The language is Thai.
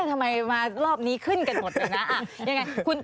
ทำไมมารอบนี้ขึ้นกันหมดเลยนะ